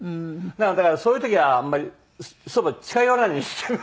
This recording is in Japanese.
だからそういう時はあんまりそばに近寄らないようにしてる。